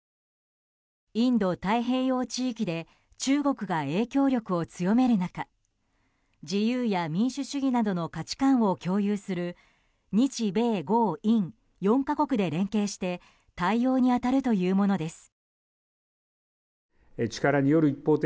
インド太平洋地域で中国が影響力を強める中自由や民主主義などの価値観を共有する日米豪印４か国で連携して対応に当たるというものです。